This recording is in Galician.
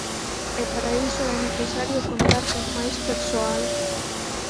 E para iso é necesario contar con máis persoal.